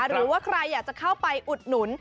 หรือว่าใครอยากจะเข้าไปอุดหนุน